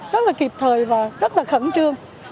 rất là kịp thời và rất là khẩn trương